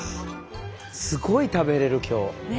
すごい食べれる今日。ね！